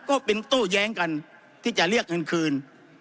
ก็เป็นโต้แย้งกันที่จะเรียกเงินคืน